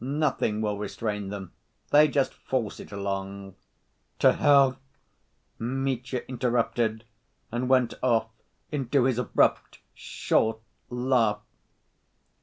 Nothing will restrain them, they just force it along." "To hell?" Mitya interrupted, and went off into his abrupt, short laugh.